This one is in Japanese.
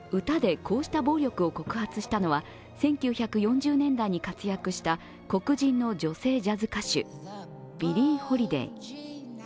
歌でこうした暴力を告発したのは１９４０年代に活躍した黒人の女性ジャズ歌手、ビリー・ホリデイ。